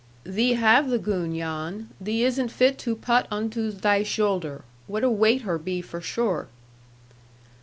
'Thee have the goon, Jan! Thee isn't fit to putt un to thy zhoulder. What a weight her be, for sure!'